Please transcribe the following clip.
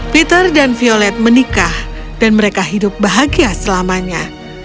peter dan violet menikah dan mereka hidup bahagia selamanya